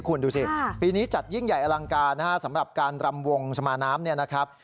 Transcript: คุณดูสิปีนี้จัดยิ่งใหญ่อลังการนะฮะสำหรับการรำวงสมาน้ำเนี่ยนะครับ